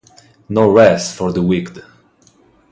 No Rest for the Wicked